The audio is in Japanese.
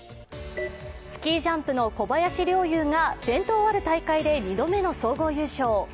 スキージャンプの小林陵侑が伝統ある大会で２度目の総合優勝。